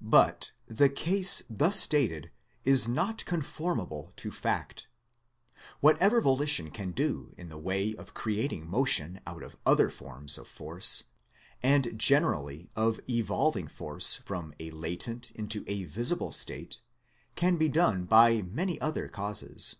But the case thus stated is not conformable to fact. Whatever volition can do in the way of creating motion out of other forms of force, and generally of evolving force from a latent into a visible state, can be done by many other causes.